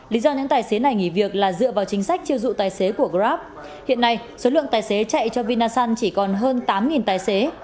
lý do những tài xế này nghỉ việc là dựa vào chính sách chiêu dụ tài xế của grab hiện nay số lượng tài xế chạy cho vinasun chỉ còn hơn tám tài xế